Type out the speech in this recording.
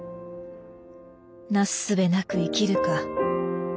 なすすべなく生きるか。